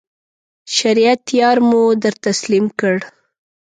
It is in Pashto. شریعت یار مو در تسلیم کړ.